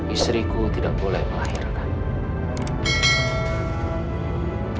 istriku tidak boleh melahirkan